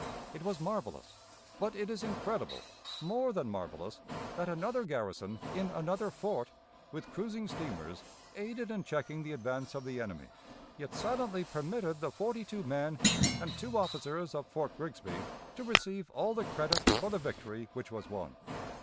It was marvelous; but it is incredible more than marvelous that another garrison in another fort, with cruising steamers, aided in checking the advance of the enemy, yet silently permitted the forty two men and two officers of Fort Grigsby to receive all the credit for the victory which was won.